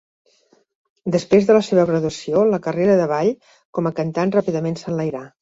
Després de la seva graduació, la carrera de Ball com a cant ràpidament s'enlairà.